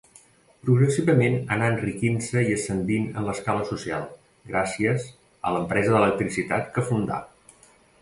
Progressivament anà enriquint-se i ascendint en l'escala social, gràcies a l'empresa d'electricitat que fundà.